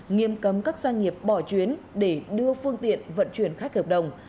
nghiêm cấm các doanh nghiệp bỏ chuyến để đưa phương tiện vận chuyển khách hợp đồng